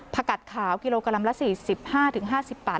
กัดขาวกิโลกรัมละ๔๕๕๐บาท